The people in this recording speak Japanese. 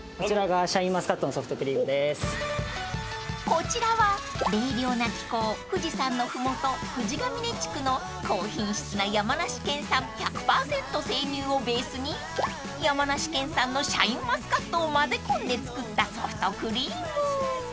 ［こちらは冷涼な気候富士山の麓富士ヶ嶺地区の高品質な山梨県産１００％生乳をベースに山梨県産のシャインマスカットを混ぜ込んで作ったソフトクリーム］